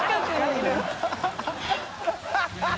ハハハ